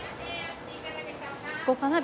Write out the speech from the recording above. ここかな？